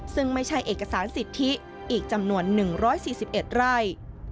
ซึ่งไม่ใช่เอกสารสิทธิอีกจำนวน๑๔๑ไร่